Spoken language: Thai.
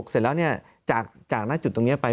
เสร็จแล้วจากหน้าจุดตรงนี้ไป